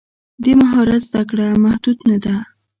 د مهارت زده کړه محدود نه ده.